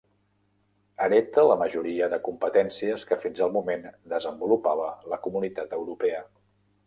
Hereta la majoria de competències que fins al moment desenvolupava la Comunitat Europea.